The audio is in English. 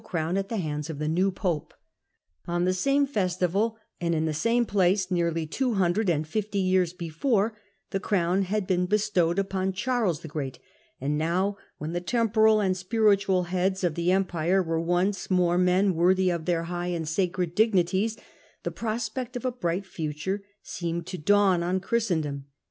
crowu at the hauds of the new pope. On the ^mel 1046 same festival, and in the same place, nearly two hundred and fifty years before, the crown had been bestowed upon Charles the Great, and now when the temporal and spiritual heads of the Empire were once more men worthy of their high and sacred dignities, the prospect of a bright future seemed to dawn on Christendom.